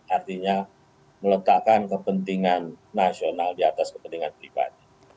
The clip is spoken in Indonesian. artinya meletakkan kepentingan nasional di atas kepentingan negara